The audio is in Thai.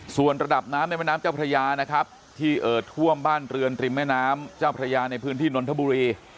ส่วนระดับน้ำในแม่น้ำเจ้าพระยานะครับที่เอิดท่วมบ้านเรือนริมแม่น้ำเจ้าพระยาในพื้นที่นนทบุรี